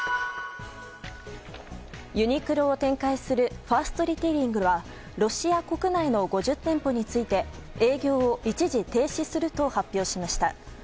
ユニクロを展開するファーストリテイリングはロシア国内の５０店舗について営業を一時停止すると発表しました。